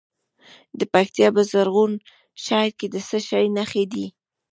د پکتیکا په زرغون شهر کې د څه شي نښې دي؟